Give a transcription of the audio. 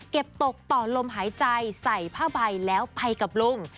ตกต่อลมหายใจใส่ผ้าใบแล้วไปกับลุง